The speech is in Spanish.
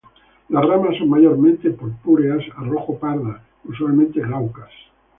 Las ramas son mayormente purpúreas a rojo pardas, usualmente glaucas.